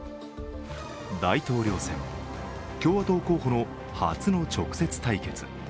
大統領選、共和党候補の初の直接対決。